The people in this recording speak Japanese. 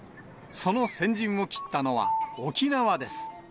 その先陣を切ったのは沖縄です。